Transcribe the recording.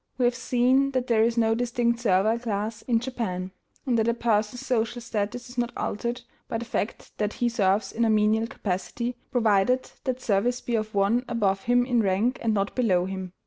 We have seen that there is no distinct servile class in Japan, and that a person's social status is not altered by the fact that he serves in a menial capacity, provided that service be of one above him in rank and not below him.